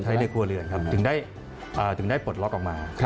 ในครัวเรือนครับถึงได้ปลดล็อกออกมา